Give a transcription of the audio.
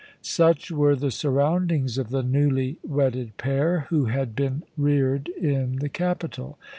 Such were the surroundings of the newly wedded pair, who had been reared in the capital.